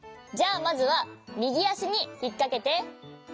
じゃあまずはみぎあしにひっかけて。